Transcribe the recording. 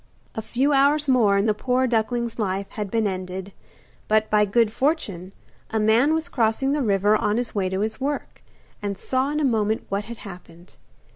A few hours more and the poor duckling's life had been ended. But, by good fortune, a man was crossing the river on his way to his work, and saw in a moment what had happened.